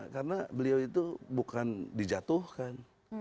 karena beliau itu bukan dijatuhkan